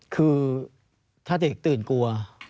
คือถ้าเด็กตื่นกลัว